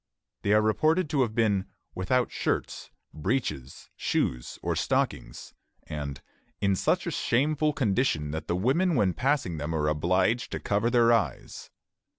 They are reported to have been "without shirts, breeches, shoes, or stockings," and "in such a shameful condition that the women when passing them are obliged to cover their eyes."